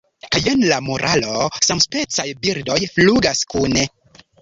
Kaj jen la moralo: 'Samspecaj birdoj flugas kune.'"